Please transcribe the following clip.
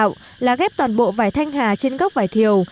hai phương pháp ghép cải tạo là ghép toàn bộ vải thanh hà trên góc vải thiều